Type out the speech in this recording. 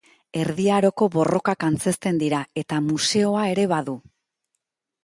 Erdi Aroko borrokak antzezten dira eta museoa ere badu.